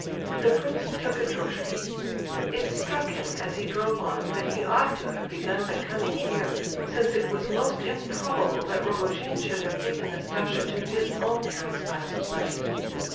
The prince took a droshky. It struck him as he drove on that he ought to have begun by coming here, since it was most improbable that Rogojin should have taken Nastasia to his own house last night.